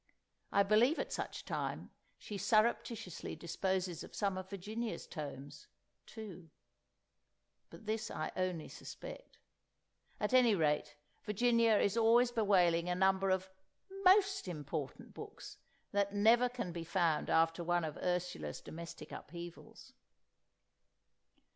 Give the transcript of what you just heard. I believe at such time she surreptitiously disposes of some of Virginia's tomes, too; but this I only suspect. At any rate, Virginia is always bewailing a number of "most important books" that never can be found after one of Ursula's domestic upheavals.